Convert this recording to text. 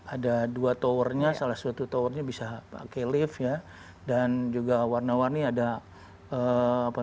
ada dua towernya salah satu towernya bisa pakai lift ya dan juga warna warni ada